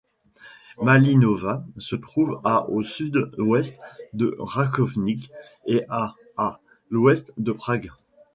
Malinová se trouve à au sud-ouest de Rakovník et à à l'ouest de Prague.